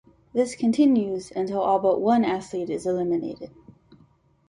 This continues until all but one athlete is eliminated.